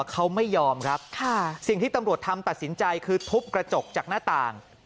เขาไม่ยอมครับสิ่งที่ตำรวจทำตัดสินใจคือทุบกระจกจากหน้าต่าง